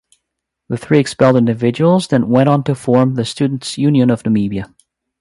The three expelled individuals then went on to form the Students Union of Namibia.